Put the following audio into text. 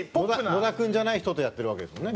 野田君じゃない人とやってるわけですもんね？